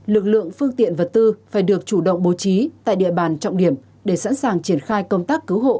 lực lượng phương tiện vật tư phải được chủ động bố trí tại địa bàn trọng điểm để sẵn sàng triển khai công tác cứu hộ